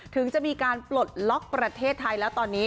ถึงจะมีการปลดล็อกประเทศไทยแล้วตอนนี้